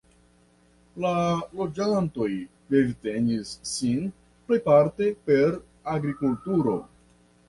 La loĝantoj vivtenis sin plejparte per agrikulturo.